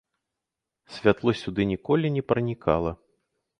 Святло сюды ніколі не пранікала.